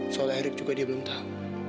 soal erick juga dia belum tahu